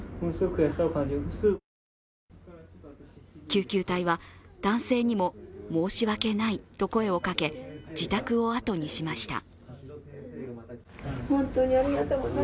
救急隊は、男性にも「申し訳ない」と声をかけ、自宅を後にしました。